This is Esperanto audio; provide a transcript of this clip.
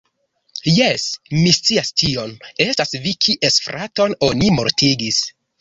Jes, mi scias tion. Estas vi kies fraton oni mortigis